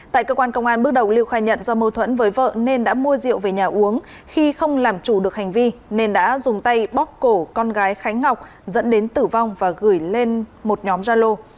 tại cơ quan công an bước đầu lưu khai nhận do mâu thuẫn với vợ nên đã mua rượu về nhà uống khi không làm chủ được hành vi nên đã dùng tay bóc cổ con gái khánh ngọc dẫn đến tử vong và gửi lên một nhóm gia lô